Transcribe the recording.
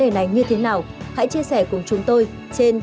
hãy chia sẻ cùng chúng tôi trên fanpage của truyền hình công an nhân dân